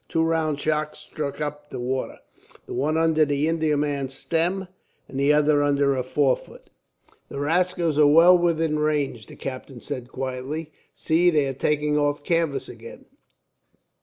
Two round shot struck up the water, the one under the Indiaman's stern, the other under her forefoot. "The rascals are well within range," the captain said quietly. "See, they are taking off canvas again.